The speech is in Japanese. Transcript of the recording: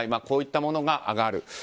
こういったものが上がる。